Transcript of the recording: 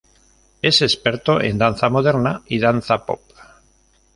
Es experto en danza moderna y danza pop.